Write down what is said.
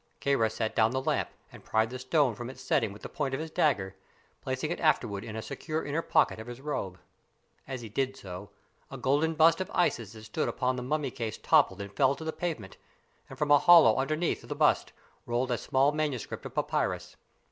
Kāra set down the lamp and pried the stone from its setting with the point of his dagger, placing it afterward in a secure inner pocket of his robe. As he did so, a golden bust of Isis that stood upon the mummy case toppled and fell to the pavement, and from a hollow underneath the bust rolled a small manuscript of papyrus.